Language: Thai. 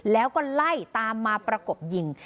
แล้วก็ไล่ตามมาประกบยิง